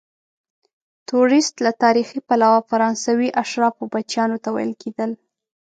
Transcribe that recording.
توریست له تاریخي پلوه فرانسوي اشرافو بچیانو ته ویل کیدل.